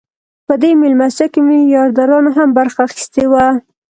په دې مېلمستیا کې میلیاردرانو هم برخه اخیستې وه